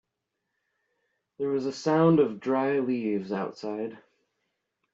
There was a sound of dry leaves outside.